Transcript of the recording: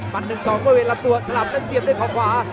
ปัน๑๒โดยเวลาตัวข้างหลังนั่นเสียด้วยขวา